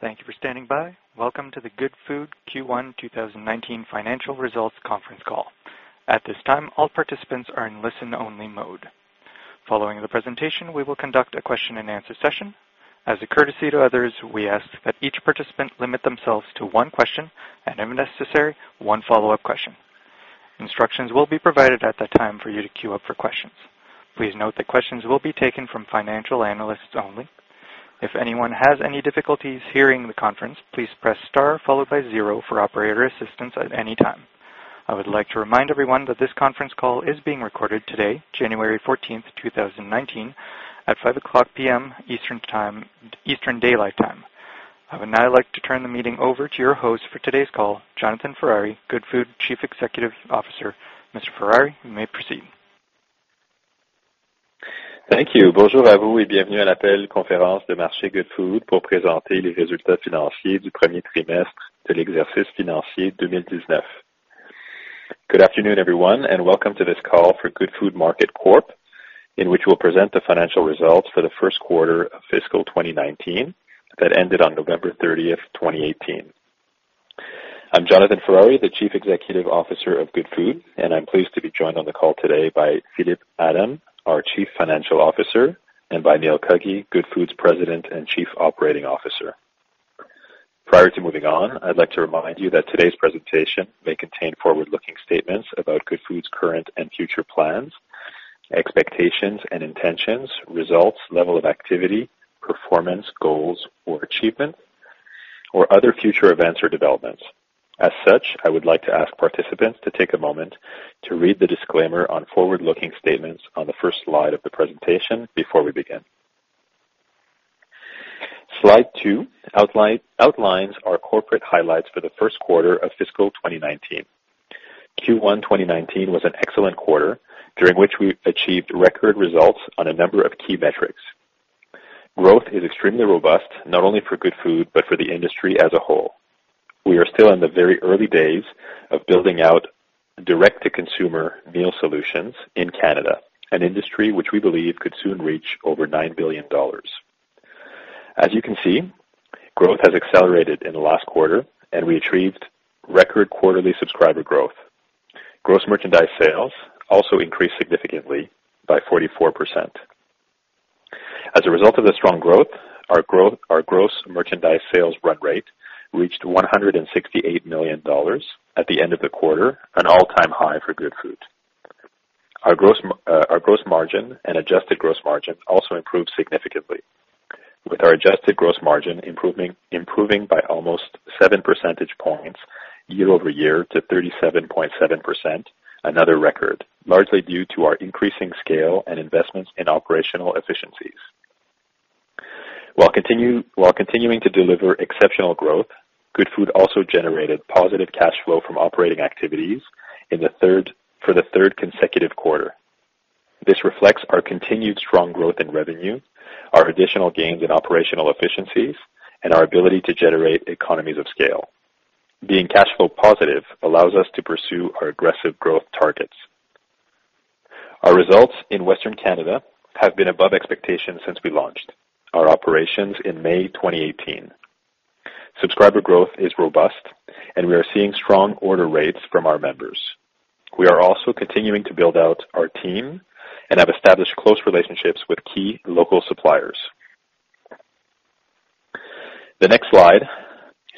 Thank you for standing by. Welcome to the Goodfood Q1 2019 financial results conference call. At this time, all participants are in listen only mode. Following the presentation, we will conduct a question and answer session. As a courtesy to others, we ask that each participant limit themselves to one question and, if necessary, one follow-up question. Instructions will be provided at that time for you to queue up for questions. Please note that questions will be taken from financial analysts only. If anyone has any difficulties hearing the conference, please press star followed by zero for operator assistance at any time. I would like to remind everyone that this conference call is being recorded today, January 14th, 2019, at 5:00 P.M. Eastern Daylight Time. I would now like to turn the meeting over to your host for today's call, Jonathan Ferrari, Goodfood Chief Executive Officer. Mr. Ferrari, you may proceed. Thank you. Good afternoon, everyone, and welcome to this call for Goodfood Market Corp., in which we'll present the financial results for the first quarter of fiscal 2019 that ended on November 30th, 2018. I'm Jonathan Ferrari, the Chief Executive Officer of Goodfood, and I'm pleased to be joined on the call today by Philippe Adam, our Chief Financial Officer, and by Neil Cuggy, Goodfood's President and Chief Operating Officer. Prior to moving on, I'd like to remind you that today's presentation may contain forward-looking statements about Goodfood's current and future plans, expectations and intentions, results, level of activity, performance, goals or achievement, or other future events or developments. As such, I would like to ask participants to take a moment to read the disclaimer on forward-looking statements on the first slide of the presentation before we begin. Slide two outlines our corporate highlights for the first quarter of fiscal 2019. Q1 2019 was an excellent quarter, during which we achieved record results on a number of key metrics. Growth is extremely robust, not only for Goodfood, but for the industry as a whole. We are still in the very early days of building out direct-to-consumer meal solutions in Canada, an industry which we believe could soon reach over 9 billion dollars. As you can see, growth has accelerated in the last quarter, and we achieved record quarterly subscriber growth. Gross merchandise sales also increased significantly by 44%. As a result of the strong growth, our gross merchandise sales run rate reached 168 million dollars at the end of the quarter, an all-time high for Goodfood. Our gross margin and adjusted gross margin also improved significantly, with our adjusted gross margin improving by almost seven percentage points year-over-year to 37.7%, another record, largely due to our increasing scale and investments in operational efficiencies. While continuing to deliver exceptional growth, Goodfood also generated positive cash flow from operating activities for the third consecutive quarter. This reflects our continued strong growth in revenue, our additional gains in operational efficiencies, and our ability to generate economies of scale. Being cash flow positive allows us to pursue our aggressive growth targets. Our results in Western Canada have been above expectations since we launched our operations in May 2018. Subscriber growth is robust, we are seeing strong order rates from our members. We are also continuing to build out our team and have established close relationships with key local suppliers. The next slide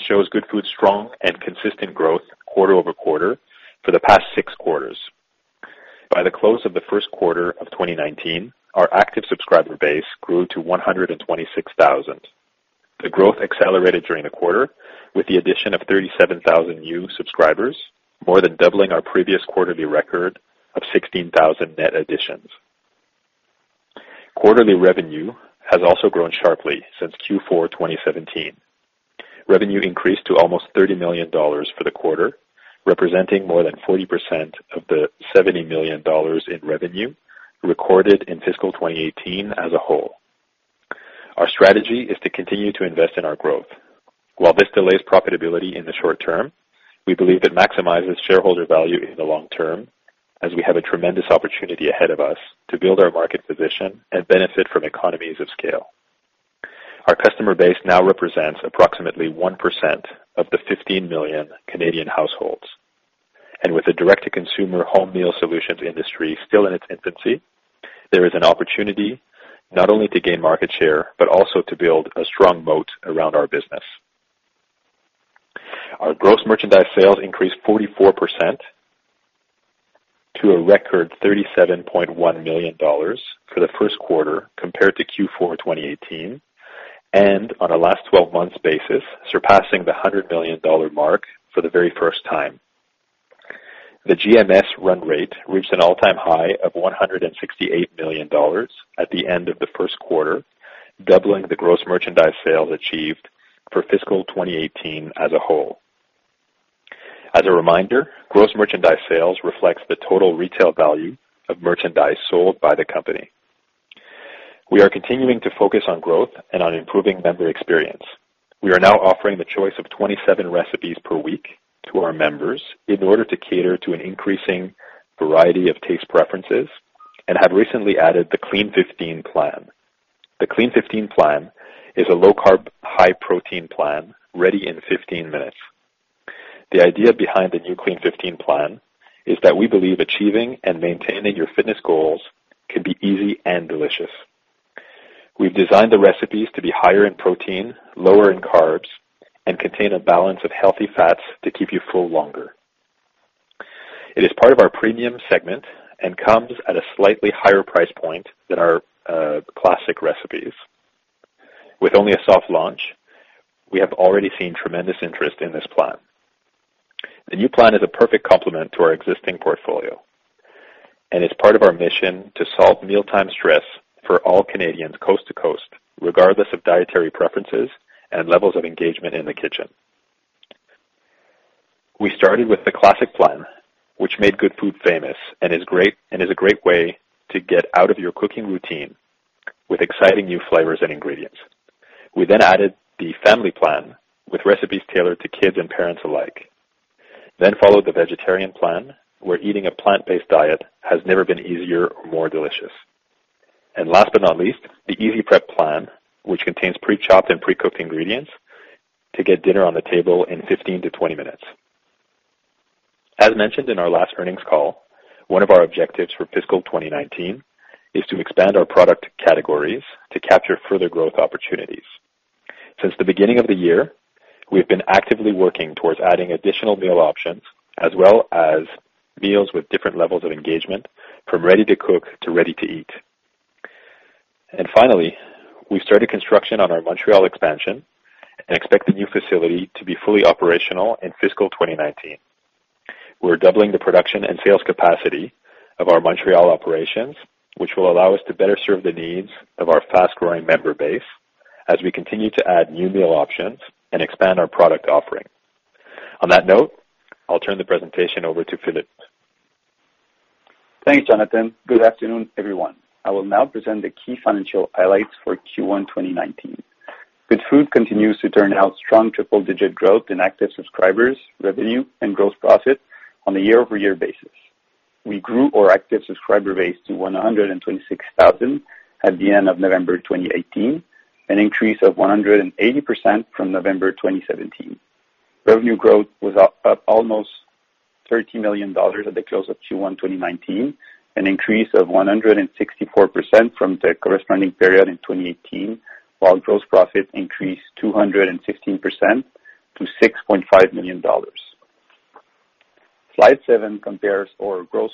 shows Goodfood's strong and consistent growth quarter-over-quarter for the past six quarters. By the close of the first quarter of 2019, our active subscriber base grew to 126,000. The growth accelerated during the quarter with the addition of 37,000 new subscribers, more than doubling our previous quarterly record of 16,000 net additions. Quarterly revenue has also grown sharply since Q4 2017. Revenue increased to almost 30 million dollars for the quarter, representing more than 40% of the 70 million dollars in revenue recorded in fiscal 2018 as a whole. Our strategy is to continue to invest in our growth. While this delays profitability in the short term, we believe it maximizes shareholder value in the long term, as we have a tremendous opportunity ahead of us to build our market position and benefit from economies of scale. Our customer base now represents approximately 1% of the 15 million Canadian households. With the direct-to-consumer home meal solutions industry still in its infancy, there is an opportunity not only to gain market share, but also to build a strong moat around our business. Our gross merchandise sales increased 44% to a record 37.1 million dollars for the first quarter compared to Q4 2018, on a last 12-months basis, surpassing the 100 million mark for the very first time. The GMS run rate reached an all-time high of 168 million dollars at the end of the first quarter, doubling the gross merchandise sales achieved for fiscal 2018 as a whole. As a reminder, gross merchandise sales reflects the total retail value of merchandise sold by the company. We are continuing to focus on growth and on improving member experience. We are now offering the choice of 27 recipes per week to our members in order to cater to an increasing variety of taste preferences. We have recently added the Clean 15 plan. The Clean 15 plan is a low-carb, high-protein plan ready in 15 minutes. The idea behind the new Clean 15 plan is that we believe achieving and maintaining your fitness goals can be easy and delicious. We've designed the recipes to be higher in protein, lower in carbs, and contain a balance of healthy fats to keep you full longer. It is part of our premium segment and comes at a slightly higher price point than our classic recipes. With only a soft launch, we have already seen tremendous interest in this plan. The new plan is a perfect complement to our existing portfolio, it's part of our mission to solve mealtime stress for all Canadians coast to coast, regardless of dietary preferences and levels of engagement in the kitchen. We started with the Classic plan, which made Goodfood famous and is a great way to get out of your cooking routine with exciting new flavors and ingredients. We then added the Family plan, with recipes tailored to kids and parents alike. Followed the Vegetarian plan, where eating a plant-based diet has never been easier or more delicious. Last but not least, the Easy Prep plan, which contains pre-chopped and pre-cooked ingredients to get dinner on the table in 15 to 20 minutes. As mentioned in our last earnings call, one of our objectives for fiscal 2019 is to expand our product categories to capture further growth opportunities. Since the beginning of the year, we've been actively working towards adding additional meal options, as well as meals with different levels of engagement, from ready to cook to ready to eat. Finally, we started construction on our Montreal expansion and expect the new facility to be fully operational in fiscal 2019. We're doubling the production and sales capacity of our Montreal operations, which will allow us to better serve the needs of our fast-growing member base as we continue to add new meal options and expand our product offering. On that note, I'll turn the presentation over to Philippe. Thanks, Jonathan. Good afternoon, everyone. I will now present the key financial highlights for Q1 2019. Goodfood continues to turn out strong triple-digit growth in active subscribers, revenue, and gross profit on a year-over-year basis. We grew our active subscriber base to 126,000 at the end of November 2018, an increase of 180% from November 2017. Revenue growth was up almost 30 million dollars at the close of Q1 2019, an increase of 164% from the corresponding period in 2018, while gross profit increased 216% to CAD 6.5 million. Slide seven compares our gross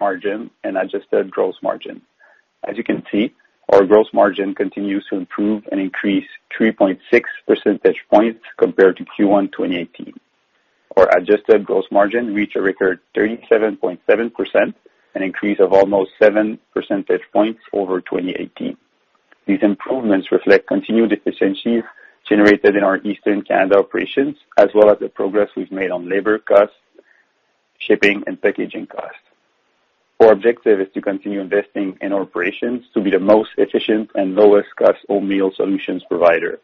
margin and adjusted gross margin. As you can see, our gross margin continues to improve and increase 3.6 percentage points compared to Q1 2018. Our adjusted gross margin reached a record 37.7%, an increase of almost seven percentage points over 2018. These improvements reflect continued efficiencies generated in our Eastern Canada operations as well as the progress we've made on labor cost, shipping, and packaging cost. Our objective is to continue investing in our operations to be the most efficient and lowest cost whole meal solutions provider.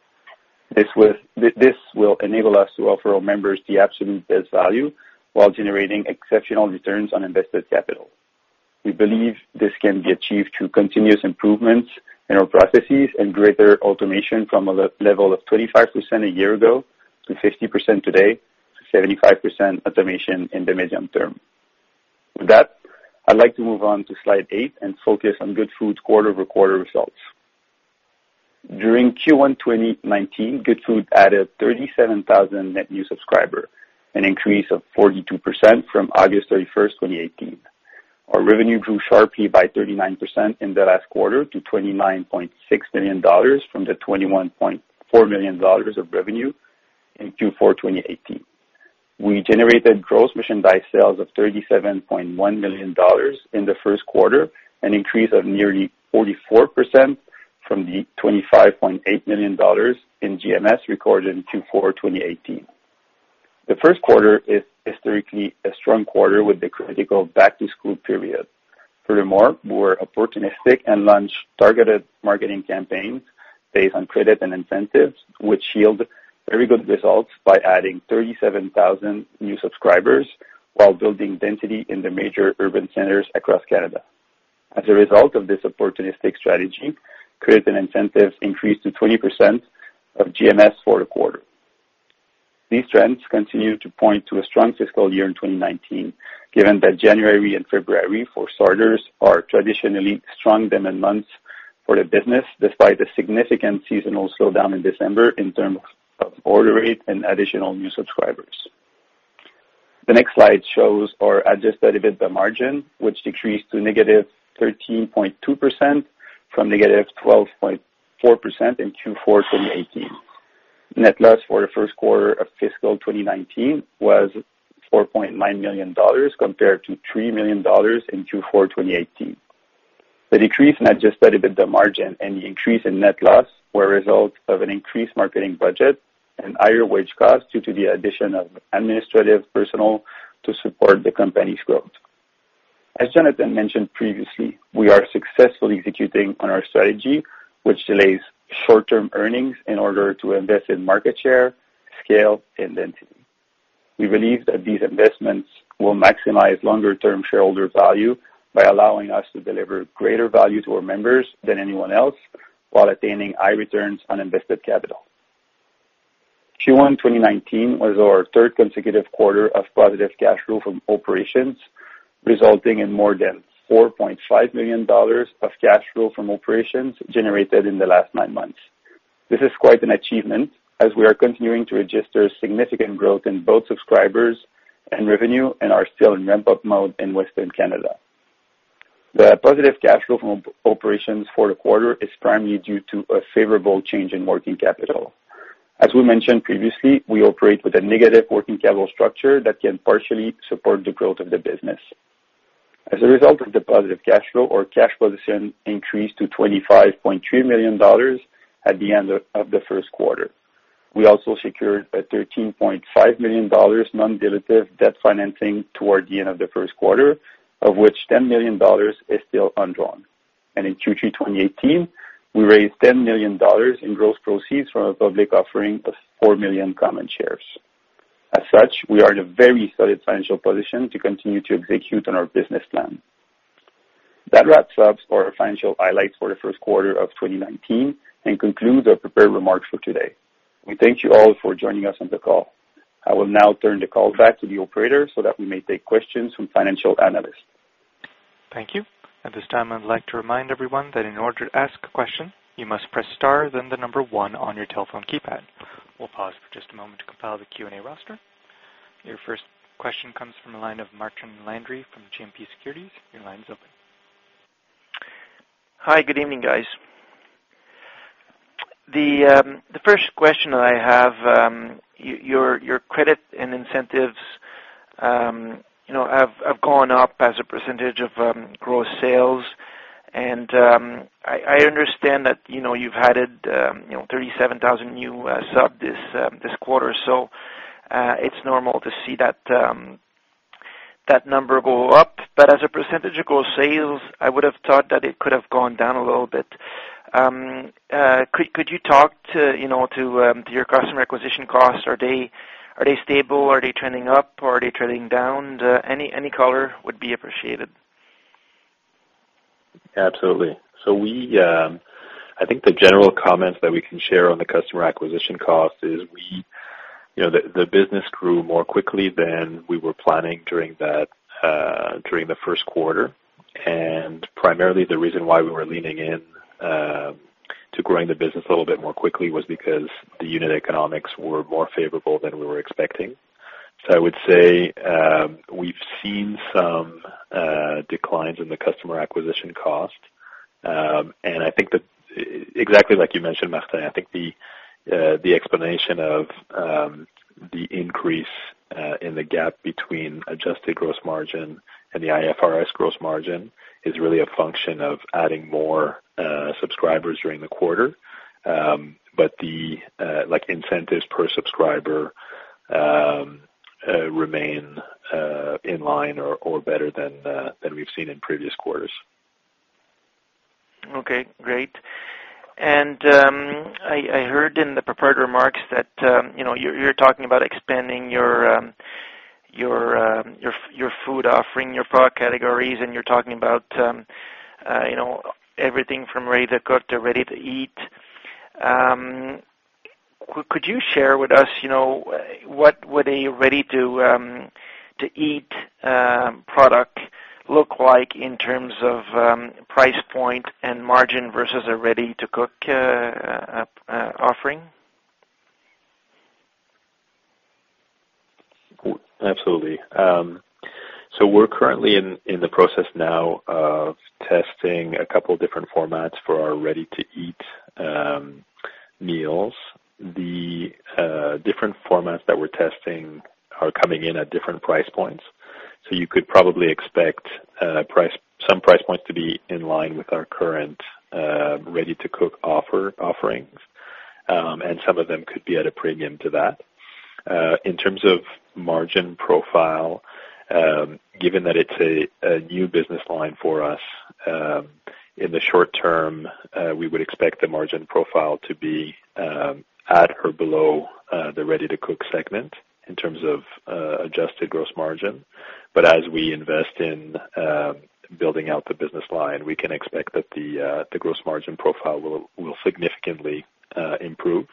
This will enable us to offer our members the absolute best value while generating exceptional returns on invested capital. We believe this can be achieved through continuous improvements in our processes and greater automation from a level of 25% a year ago to 50% today to 75% automation in the medium term. With that, I'd like to move on to slide eight and focus on Goodfood's quarter-over-quarter results. During Q1 2019, Goodfood added 37,000 net new subscribers, an increase of 42% from August 31st, 2018. Our revenue grew sharply by 39% in the last quarter to 29.6 million dollars from the 21.4 million dollars of revenue in Q4 2018. We generated gross merchandise sales of 37.1 million dollars in the first quarter, an increase of nearly 44% from the 25.8 million dollars in GMS recorded in Q4 2018. The first quarter is historically a strong quarter with the critical back-to-school period. More opportunistic and launch-targeted marketing campaigns based on credit and incentives, which yield very good results by adding 37,000 new subscribers while building density in the major urban centers across Canada. As a result of this opportunistic strategy, credit and incentives increased to 20% of GMS for the quarter. These trends continue to point to a strong fiscal year in 2019, given that January and February for starters are traditionally strong demand months for the business, despite a significant seasonal slowdown in December in terms of order rate and additional new subscribers. The next slide shows our adjusted EBITDA margin, which decreased to negative 13.2% from negative 12.4% in Q4 2018. Net loss for the first quarter of fiscal 2019 was 4.9 million dollars compared to 3 million dollars in Q4 2018. The decrease in adjusted EBITDA margin and the increase in net loss were a result of an increased marketing budget and higher wage costs due to the addition of administrative personnel to support the company's growth. As Jonathan mentioned previously, we are successfully executing on our strategy, which delays short-term earnings in order to invest in market share, scale, and density. We believe that these investments will maximize longer-term shareholder value by allowing us to deliver greater value to our members than anyone else, while attaining high returns on invested capital. Q1 2019 was our third consecutive quarter of positive cash flow from operations, resulting in more than 4.5 million dollars of cash flow from operations generated in the last nine months. This is quite an achievement, as we are continuing to register significant growth in both subscribers and revenue and are still in ramp-up mode in Western Canada. The positive cash flow from operations for the quarter is primarily due to a favorable change in working capital. As we mentioned previously, we operate with a negative working capital structure that can partially support the growth of the business. As a result of the positive cash flow, our cash position increased to 25.3 million dollars at the end of the first quarter. We also secured a 13.5 million dollars non-dilutive debt financing toward the end of the first quarter, of which 10 million dollars is still undrawn. In Q3 2018, we raised 10 million dollars in gross proceeds from a public offering of 4 million common shares. As such, we are in a very solid financial position to continue to execute on our business plan. That wraps up our financial highlights for the first quarter of 2019 and concludes our prepared remarks for today. We thank you all for joining us on the call. I will now turn the call back to the operator so that we may take questions from financial analysts. Thank you. At this time, I'd like to remind everyone that in order to ask a question, you must press star, then the number 1 on your telephone keypad. We'll pause for just a moment to compile the Q&A roster. Your first question comes from the line of Martin Landry from GMP Securities. Your line is open. Hi. Good evening, guys. The first question that I have, your credit and incentives have gone up as a percentage of gross sales. I understand that you've added 37,000 new subs this quarter, it's normal to see that number go up. As a percentage of gross sales, I would have thought that it could have gone down a little bit. Could you talk to your customer acquisition costs? Are they stable? Are they trending up or are they trending down? Any color would be appreciated. Absolutely. I think the general comments that we can share on the customer acquisition cost is the business grew more quickly than we were planning during the first quarter. Primarily the reason why we were leaning in to growing the business a little bit more quickly was because the unit economics were more favorable than we were expecting. I would say we've seen some declines in the customer acquisition cost. I think that exactly like you mentioned, Martin, I think the explanation of the increase in the gap between adjusted gross margin and the IFRS gross margin is really a function of adding more subscribers during the quarter. The incentives per subscriber remain in line or better than we've seen in previous quarters. Okay, great. I heard in the prepared remarks that you're talking about expanding your food offering, your product categories, and you're talking about everything from ready-to-cook to ready-to-eat. Could you share with us, what would a ready-to-eat product look like in terms of price point and margin versus a ready-to-cook offering? Absolutely. We're currently in the process now of testing a couple different formats for our ready-to-eat meals. The different formats that we're testing are coming in at different price points. You could probably expect some price points to be in line with our current ready-to-cook offerings. Some of them could be at a premium to that. In terms of margin profile, given that it's a new business line for us, in the short term, we would expect the margin profile to be at or below the ready-to-cook segment in terms of adjusted gross margin. As we invest in building out the business line, we can expect that the gross margin profile will significantly improve.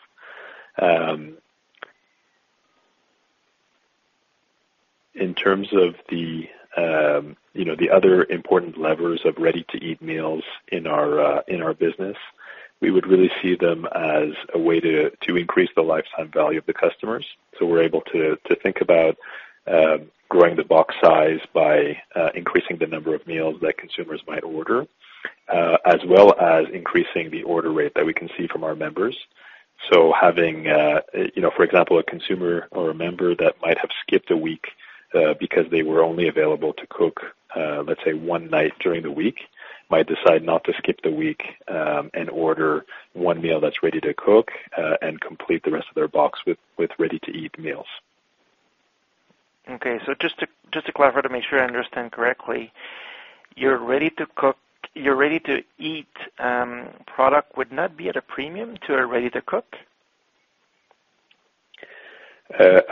In terms of the other important levers of ready-to-eat meals in our business, we would really see them as a way to increase the lifetime value of the customers. We're able to think about growing the box size by increasing the number of meals that consumers might order, as well as increasing the order rate that we can see from our members. Having, for example, a consumer or a member that might have skipped a week because they were only available to cook, let's say, one night during the week, might decide not to skip the week and order one meal that's ready to cook and complete the rest of their box with ready-to-eat meals. Okay. Just to clarify, to make sure I understand correctly. Your ready-to-eat product would not be at a premium to a ready-to-cook?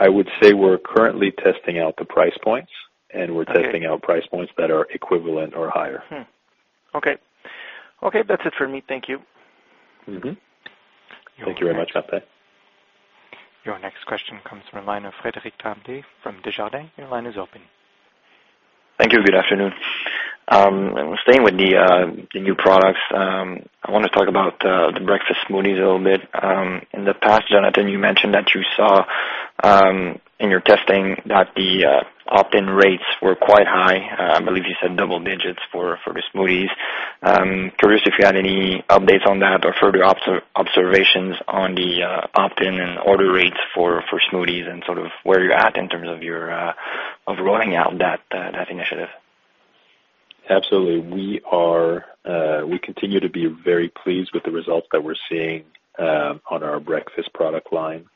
I would say we're currently testing out the price points. Okay. We're testing out price points that are equivalent or higher. Okay. That's it for me. Thank you. Mm-hmm. Thank you very much, Martin. Your next question comes from the line of Frederic Tremblay from Desjardins. Your line is open. Thank you. Good afternoon. Staying with the new products, I want to talk about the breakfast smoothies a little bit. In the past, Jonathan, you mentioned that you saw in your testing that the opt-in rates were quite high. I believe you said double digits for the smoothies. Curious if you had any updates on that or further observations on the opt-in and order rates for smoothies, and sort of where you're at in terms of rolling out that initiative. Absolutely. We continue to be very pleased with the results that we're seeing on our breakfast product line.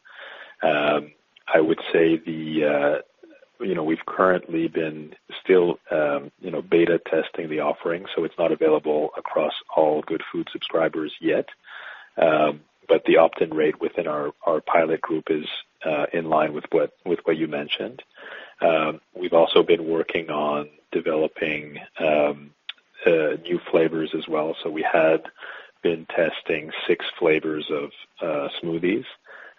I would say we've currently been still beta testing the offering, so it's not available across all Goodfood subscribers yet. The opt-in rate within our pilot group is in line with what you mentioned. We've also been working on developing new flavors as well. We had been testing six flavors of smoothies,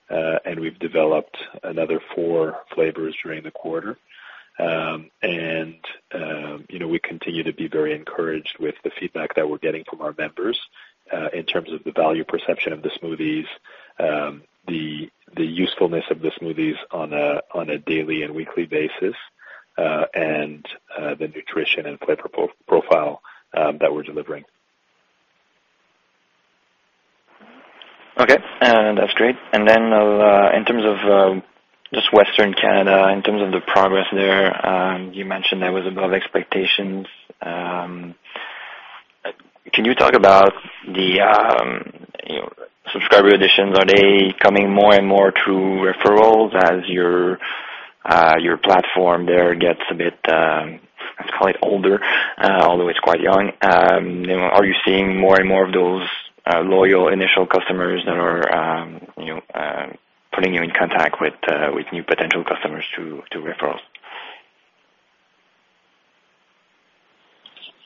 and we've developed another four flavors during the quarter. We continue to be very encouraged with the feedback that we're getting from our members, in terms of the value perception of the smoothies, the usefulness of the smoothies on a daily and weekly basis, and the nutrition and flavor profile that we're delivering. Okay. That's great. In terms of just Western Canada, in terms of the progress there, you mentioned that was above expectations. Can you talk about the subscriber additions? Are they coming more and more through referrals as your platform there gets a bit, let's call it older, although it's quite young? Are you seeing more and more of those loyal initial customers that are putting you in contact with new potential customers through referrals?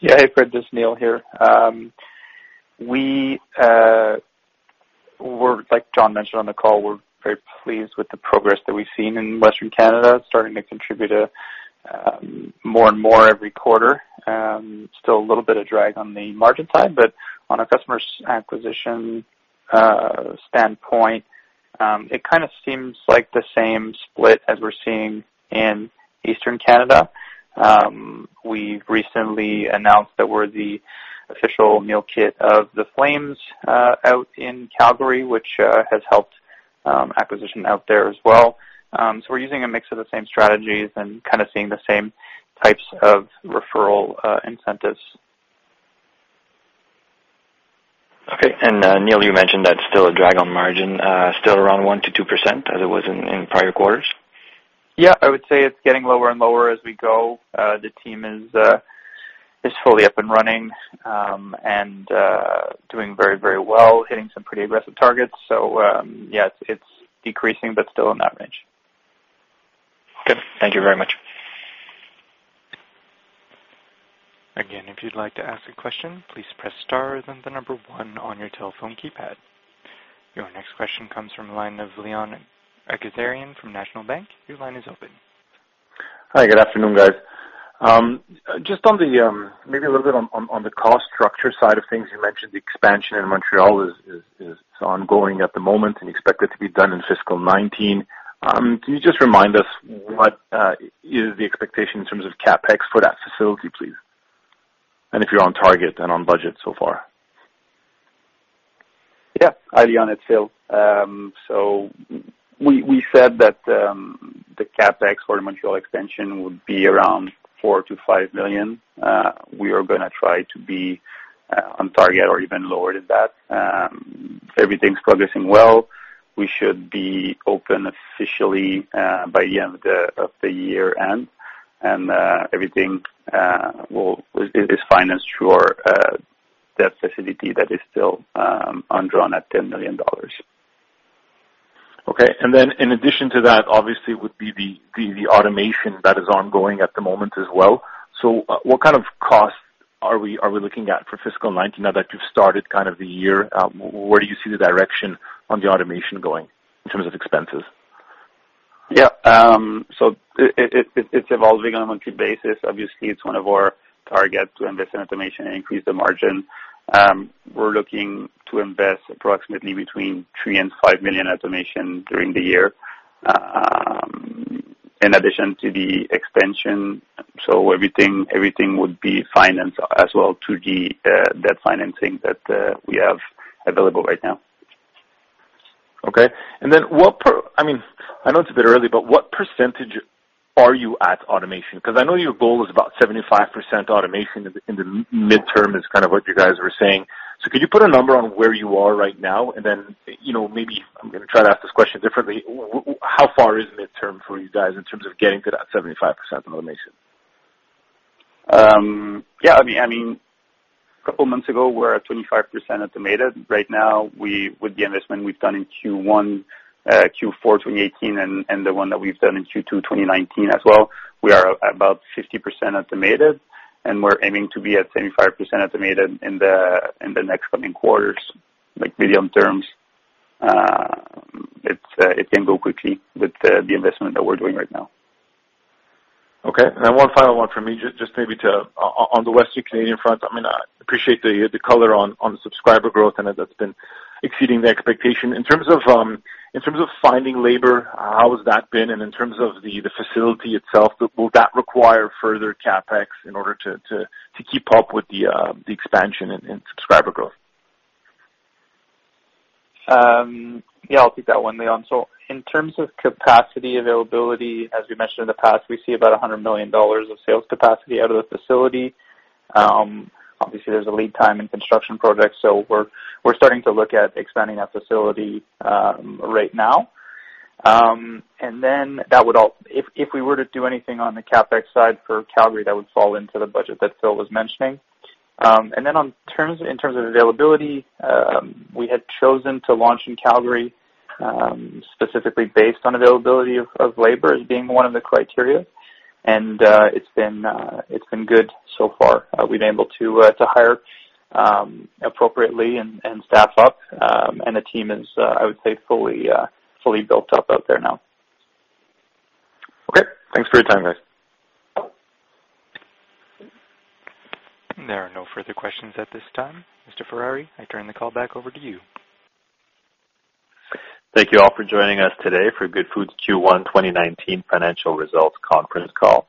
Yeah. Hey, Fred, this is Neil here. Like John mentioned on the call, we're very pleased with the progress that we've seen in Western Canada. Starting to contribute more and more every quarter. Still a little bit of drag on the margin side, but on a customer acquisition standpoint, it kind of seems like the same split as we're seeing in Eastern Canada. We've recently announced that we're the official meal kit of the Flames out in Calgary, which has helped acquisition out there as well. We're using a mix of the same strategies and kind of seeing the same types of referral incentives. Okay. Neil, you mentioned that's still a drag on margin, still around 1%-2% as it was in prior quarters? Yeah, I would say it's getting lower and lower as we go. The team is fully up and running, and doing very well, hitting some pretty aggressive targets. Yeah, it's decreasing, but still in that range. Okay. Thank you very much. Again, if you'd like to ask a question, please press star then the number one on your telephone keypad. Your next question comes from the line of Leon Aghazarian from National Bank. Your line is open. Hi, good afternoon, guys. Just maybe a little bit on the cost structure side of things. You mentioned the expansion in Montreal is ongoing at the moment and expected to be done in fiscal 2019. Can you just remind us what is the expectation in terms of CapEx for that facility, please? And if you're on target and on budget so far. Hi, Leon. It's Phil. We said that the CapEx for the Montreal extension would be around 4 million-5 million. We are going to try to be on target or even lower than that. Everything's progressing well. We should be open officially by the end of the year-end, and everything is financed through our debt facility that is still undrawn at 10 million dollars. Okay. In addition to that, obviously would be the automation that is ongoing at the moment as well. What kind of cost are we looking at for fiscal 2019 now that you've started kind of the year? Where do you see the direction on the automation going in terms of expenses? Yeah. It's evolving on a monthly basis. Obviously, it's one of our targets to invest in automation and increase the margin. We're looking to invest approximately between 3 million and 5 million automation during the year, in addition to the expansion. Everything would be financed as well through the debt financing that we have available right now. Okay. I know it's a bit early, what percentage are you at automation? Because I know your goal is about 75% automation in the midterm is kind of what you guys were saying. Could you put a number on where you are right now, and then maybe I'm going to try to ask this question differently. How far is midterm for you guys in terms of getting to that 75% automation? Yeah. A couple of months ago, we were at 25% automated. Right now, with the investment we've done in Q4 2018 and the one that we've done in Q2 2019 as well, we are about 50% automated, and we're aiming to be at 75% automated in the next coming quarters, like medium terms. It can go quickly with the investment that we're doing right now. Okay. One final one from me, just maybe on the Western Canadian front, I appreciate the color on the subscriber growth, and that's been exceeding the expectation. In terms of finding labor, how has that been? In terms of the facility itself, will that require further CapEx in order to keep up with the expansion and subscriber growth? Yeah, I'll take that one, Leon. In terms of capacity availability, as we mentioned in the past, we see about 100 million dollars of sales capacity out of the facility. Obviously, there's a lead time in construction projects, we're starting to look at expanding that facility right now. If we were to do anything on the CapEx side for Calgary, that would fall into the budget that Phil was mentioning. In terms of availability, we had chosen to launch in Calgary, specifically based on availability of labor as being one of the criteria. It's been good so far. We've been able to hire appropriately and staff up, and the team is, I would say, fully built up out there now. Okay. Thanks for your time, guys. There are no further questions at this time. Mr. Ferrari, I turn the call back over to you. Thank you all for joining us today for Goodfood's Q1 2019 financial results conference call.